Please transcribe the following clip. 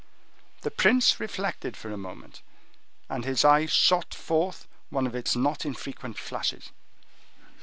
The prince reflected for a moment, and his eye shot forth one of its not infrequent flashes.